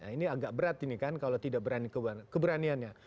ini agak berat ini kan kalau tidak berani keberaniannya